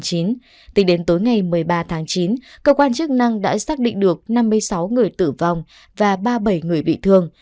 tính đến tối ngày một mươi ba tháng chín cơ quan chức năng đã xác định được năm mươi sáu người tử vong và ba mươi bảy người bị thương